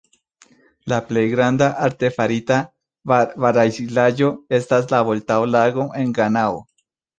La plej granda arte farita baraĵlago estas la Voltao-Lago en Ganao.